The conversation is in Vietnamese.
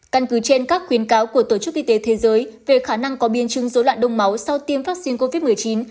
căn cứ trên các khuyến cáo của tổ chức y tế thế giới về khả năng có biên chứng dối loạn đông máu sau tiêm vaccine covid một mươi chín